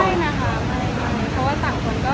ก็ไม่นะคะเพราะว่าต่างคนก็